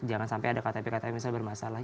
jangan sampai ada ktp ktp misalnya bermasalah